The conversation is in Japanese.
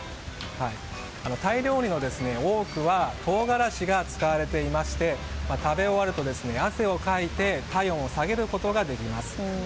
タイ料理の多くは唐辛子が使われていまして食べ終わると汗をかいて体温を下げることができます。